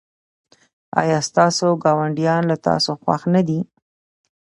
ایا ستاسو ګاونډیان له تاسو خوښ نه دي؟